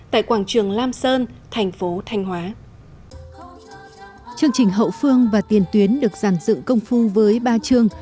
hậu phương và tiền tuyến được giàn dựng công phu với ba chương